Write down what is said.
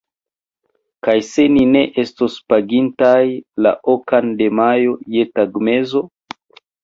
Kaj se ni ne estos pagintaj, la okan de majo, je tagmezo?